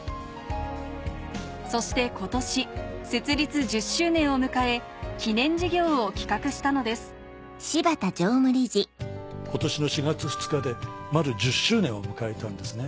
そして今年設立１０周年を迎え記念事業を企画したのです今年の４月２日で丸１０周年を迎えたんですね。